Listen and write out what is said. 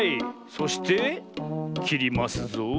そしてきりますぞ。